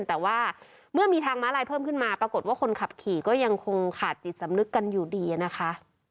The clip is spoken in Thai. แต่ว่าเมื่อมีทางม้าลายเพิ่มขึ้นมาปรากฏว่าคนขับขี่ก็ยังคงขาดจิตสำนึกกันอยู่ดีนะคะ